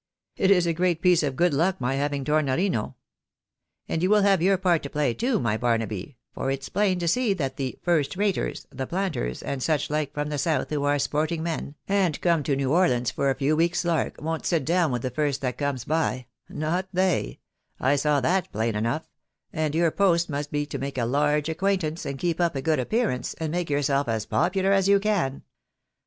It is a great piece of good luck my having Tornorino. And you will have your part to play too, my Barnaby, for it's plain to see that the first raters, the planters, and such hke from the south, who are sporting men, and come to New Orleans for a few weeks' lark, won't sit down ■with the first that comes by — not they — I saw that plain enough, and your post must be to make a large acquaintance, and keep up a good appearance and make yourself as popular as you can."